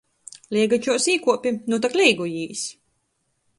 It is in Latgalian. Leigačuos īkuopi, nu tok leigojīs!